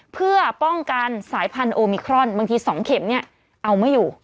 เพื่อป้องกันสายพันธุมิครอนบางที๒เข็มเนี่ยเอาไม่อยู่